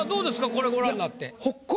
これご覧になって。